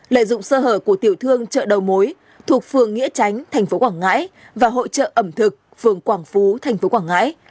lợi dụng sơ hở của tiểu thương chợ đầu mối thuộc phường nghĩa tránh tp quảng ngãi và hội chợ ẩm thực phường quảng phú tp quảng ngãi